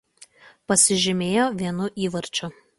Pasižymėjo vienu įvarčiu.